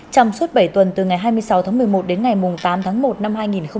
chăm suốt bảy tuần từ ngày hai mươi sáu tháng một mươi một đến ngày tám tháng một năm hai nghìn một mươi tám